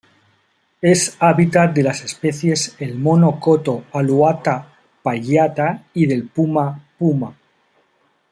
Es hábitat de las especies el mono coto Alouatta palliata y del puma Puma.